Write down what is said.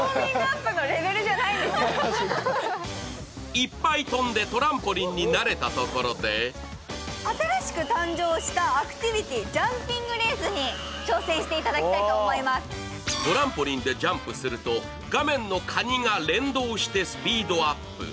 いっぱい跳んで、トランポリンに慣れたところでトランポリンでジャンプすると画面のカニが連動してスピードアップ。